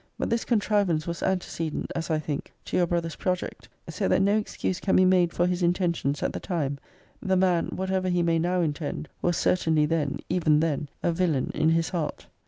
But this contrivance was antecedent, as I think, to your brother's project; so that no excuse can be made >>> for his intentions at the time the man, whatever he may now intend, was certainly then, even then, a villain in his heart.